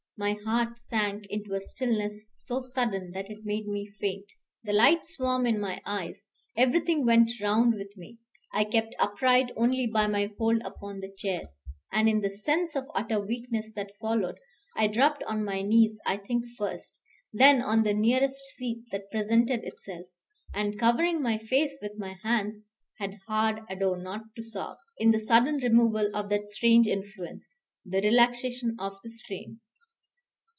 My heart sank into a stillness so sudden that it made me faint. The light swam in my eyes; everything went round with me. I kept upright only by my hold upon the chair; and in the sense of utter weakness that followed, I dropped on my knees I think first, then on the nearest seat that presented itself, and, covering my face with my hands, had hard ado not to sob, in the sudden removal of that strange influence, the relaxation of the strain.